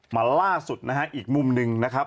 มาล่าสุดนะฮะอีกมุมหนึ่งนะครับ